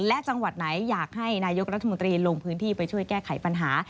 และจังหวัดไหนอยากให้นายกรัฐมนตรีลงพื้นที่ไปช่วยแก้ไขปัญหา